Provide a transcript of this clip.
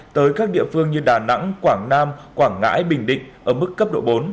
tới các địa phương như đà nẵng quảng nam quảng ngãi bình định ở mức cấp độ bốn